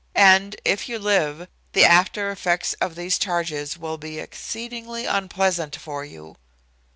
And, if you live, the after effects of these charges will be exceedingly unpleasant for you."